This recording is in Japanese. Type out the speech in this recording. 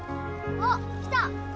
あっ来た！